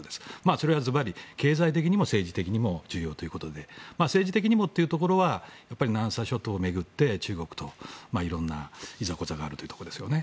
それは経済的にも政治的にも重要ということで政治的にもというところは南沙諸島を巡って中国と色んないざこざがあるというところですよね。